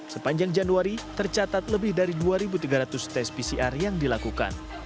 sepanjang januari tercatat lebih dari dua tiga ratus tes pcr yang dilakukan